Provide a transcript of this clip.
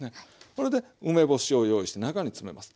これで梅干しを用意して中に詰めます。